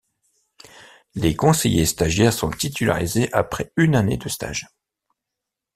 Les conseillers stagiaires sont titularisés après une année de stage.